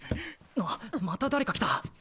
あまた誰か来た！